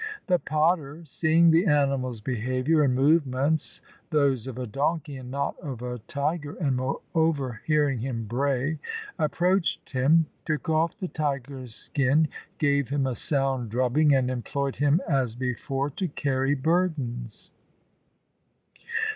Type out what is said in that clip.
The potter, seeing the animal's behaviour and movements those of a donkey and not of a tiger, and moreover hearing him bray, approached him, took off the tiger's skin, gave him a sound drubbing, and employed him as before to carry burdens.